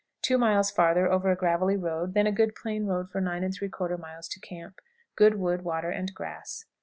Two miles farther over a gravelly road, then a good plain road for 9 3/4 miles to camp. Good wood, water, and grass.